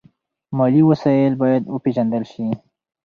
مالي وسایل باید وپیژندل شي.